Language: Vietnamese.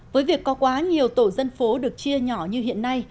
với việc có quá nhiều tổ dân phố được chia nhỏ như hiện nay